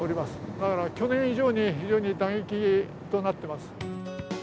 だから、去年以上に非常に打撃となってます。